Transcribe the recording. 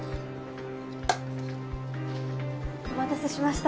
お待たせしました。